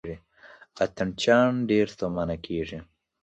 اتڼ چیان ډېر ستومانه کیږي.